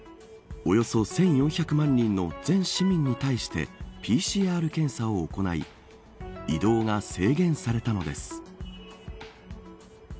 およそ１４００万人の全市民に対してＰＣＲ検査を行い移動が制限されたのです。